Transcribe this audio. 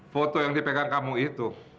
foto yang dipegang kamu itu